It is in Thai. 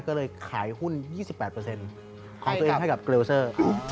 ก็เลยขายหุ้น๒๘ของตัวเองให้กับเกลเซอร์